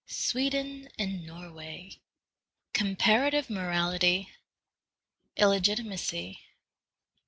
SWEDEN AND NORWAY. Comparative Morality. Illegitimacy.